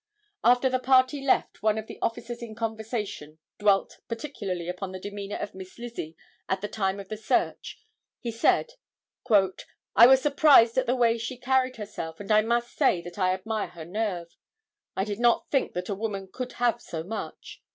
After the party left one of the officers in conversation dwelt particularly upon the demeanor of Miss Lizzie at the time of the search. He said:—"I was surprised at the way she carried herself and I must say that I admire her nerve. I did not think that a woman could have so much.